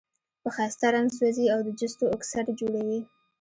په ښایسته رنګ سوزي او د جستو اکسایډ جوړوي.